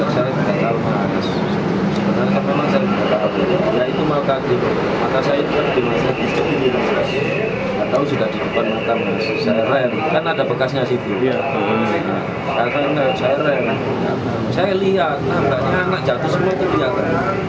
saya lihat nampaknya anak jatuh semua itu kelihatan